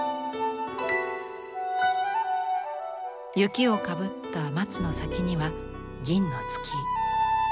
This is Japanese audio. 雪をかぶった松の先には銀の月。